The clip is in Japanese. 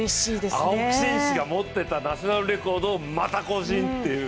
青木選手が持ってたナショナルレコードを、また更新という。